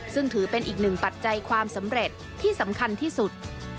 ซึ่งถือเป็นอีกหนึ่งปัจจัยความสำเร็จที่สำคัญที่สุด